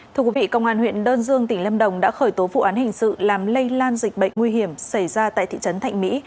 thưa quý vị công an huyện đơn dương tỉnh lâm đồng đã khởi tố vụ án hình sự làm lây lan dịch bệnh nguy hiểm xảy ra tại thị trấn thạnh mỹ